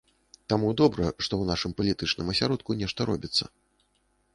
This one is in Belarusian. Таму добра, што ў нашым палітычным асяродку нешта робіцца.